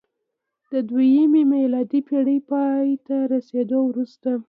د دویمې میلادي پېړۍ پای ته رسېدو وروسته